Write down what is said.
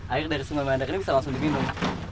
air dari sungai bandar ini bisa langsung diminum